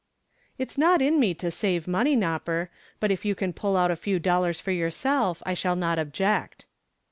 "It's not in me to save money, Nopper, but if you can pull out a few dollars for yourself I shall not object."